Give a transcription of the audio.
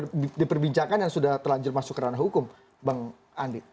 jadi ini memang sudah diperbincangkan dan sudah terlanjur masuk ke ranah hukum bang andi